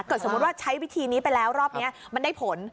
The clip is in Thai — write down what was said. สมมุติว่าใช้วิธีนี้ไปแล้วรอบนี้มันได้ผล